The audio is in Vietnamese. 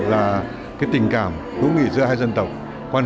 và phần đỉnh cao của mối quan hệ đó dựa trên nền tảng tình cảm của hai dân tộc